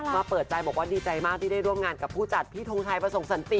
เปิดใจบอกว่าดีใจมากที่ได้ร่วมงานกับผู้จัดพี่ทงชัยประสงค์สันติ